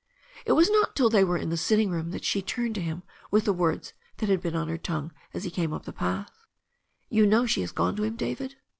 It was not till they were in the sitting room that she turned to him with the words that had been on her tongue as he came up the path: "You know she has gone to him, David?"